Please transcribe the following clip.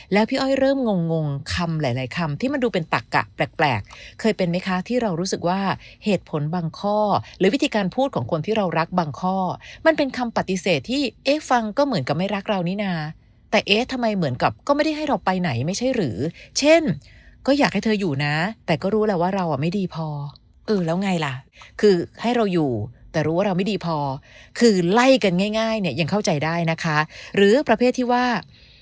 แล้วพี่อ้อยเริ่มงงคำหลายคำที่มันดูเป็นตักอะแปลกเคยเป็นไหมคะที่เรารู้สึกว่าเหตุผลบางข้อหรือวิธีการพูดของคนที่เรารักบางข้อมันเป็นคำปฏิเสธที่เอ๊ะฟังก็เหมือนกับไม่รักเรานี่นาแต่เอ๊ะทำไมเหมือนกับก็ไม่ได้ให้เราไปไหนไม่ใช่หรือเช่นก็อยากให้เธออยู่นะแต่ก็รู้แล้วว่าเราไม่ดีพอเออแล้วไงล่ะ